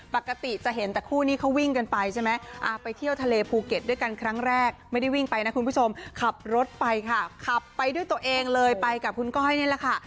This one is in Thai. ปกติจะเห็นแต่คู่นี้เขาวิ่งกันไปใช่ไหมไปเที่ยวทะเลภูเก็ตด้วยกันครั้งแรกไม่ได้วิ่งไปนะคุณผู้ชมขับรถไปค่ะขับไปด้วยตัวเองเลยไปกับคุณก้อยนี่แหละค่ะ